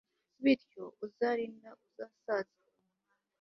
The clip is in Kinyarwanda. bityo uzarinda usazana ubuhanga